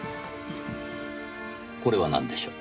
これは何でしょう？